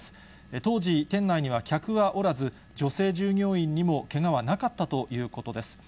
当時、店内には客はおらず、女性従業員にもけがはなかったということです。